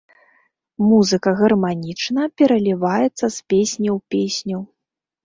Музыка гарманічна пераліваецца з песні ў песню.